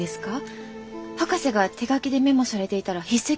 博士が手書きでメモされていたら筆跡が同じですし。